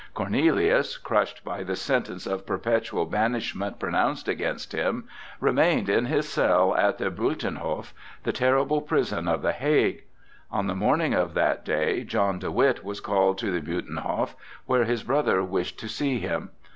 Cornelius, crushed by the sentence of perpetual banishment pronounced against him, remained in his cell at the Buitenhof, the terrible prison of the Hague. On the morning of that day John de Witt was called to the Buitenhof, where his brother wished to see him.